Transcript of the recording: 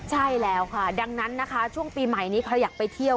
ใช่แล้วค่ะดังนั้นนะคะช่วงปีใหม่นี้ใครอยากไปเที่ยว